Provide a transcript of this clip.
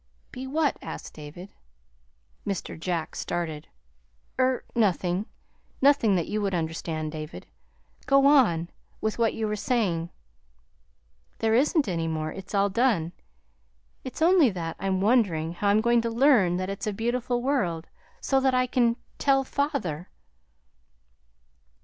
"Be what?" asked David. Mr. Jack started. "Er nothing; nothing that you would understand, David. Go on with what you were saying." "There isn't any more. It's all done. It's only that I'm wondering how I'm going to learn here that it's a beautiful world, so that I can tell father."